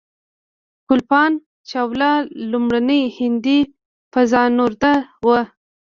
کلپنا چاوله لومړنۍ هندۍ فضانورده وه.